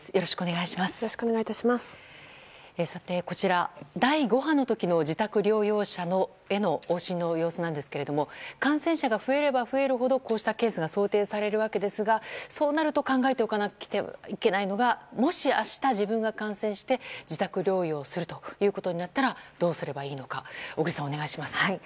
こちら、第５波の時の自宅療養者への往診の様子なんですが感染者が増えれば増えるほどこうしたケースが想定されるわけですがそうなると考えておかなければいけないのがもし明日、自分が感染して自宅療養することになったらどうすればいいのか小栗さん、お願いします。